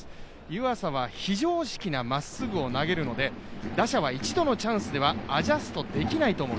湯浅は非常識なまっすぐを投げるので打者は一度のチャンスではアジャストできないと。